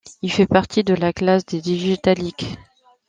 Il fait partie de la classe des digitaliques.